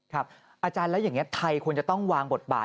อาจารย์แล้วอย่างนี้ไทยควรจะต้องวางบทบาท